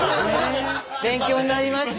勉強になりました。